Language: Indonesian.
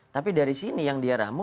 tapi dari sini yang dia ramu